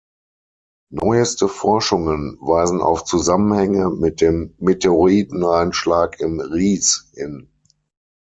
Neueste Forschungen weisen auf Zusammenhänge mit dem Meteoriteneinschlag im Ries hin.